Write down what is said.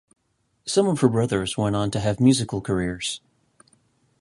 Some of her brothers went on to have musical careers.